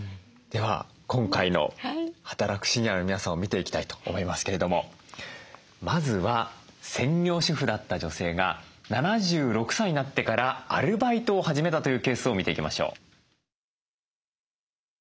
では今回の働くシニアの皆さんを見ていきたいと思いますけれどもまずは専業主婦だった女性が７６歳になってからアルバイトを始めたというケースを見ていきましょう。